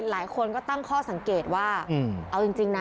หลายคนก็ตั้งข้อสังเกตว่าเอาจริงนะ